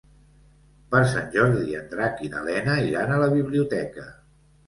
Per Sant Jordi en Drac i na Lena iran a la biblioteca.